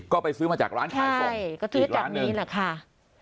ก็ไปซื้อมาจากร้านขายส่งใช่ก็ซื้อจากนี้แหละค่ะ